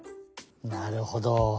なるほど。